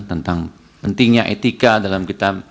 tentang pentingnya etika dalam kita